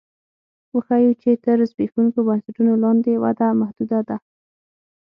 وښیو چې تر زبېښونکو بنسټونو لاندې وده محدوده ده